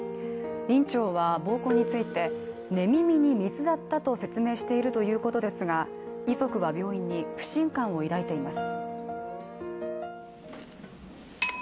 院長は暴行について、寝耳に水だったと説明しているということですが、遺族は病院に不信感を抱いています。